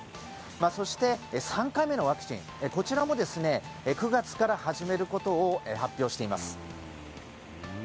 そして、３回目のワクチンこちらも９月から始めることを発表しています。